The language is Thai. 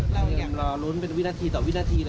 ร้อนร้อนเป็นวินาทีต่อวินาทีนะครับ